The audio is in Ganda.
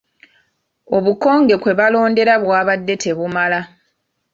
Obukonge kwe balondera bwabadde tebumala.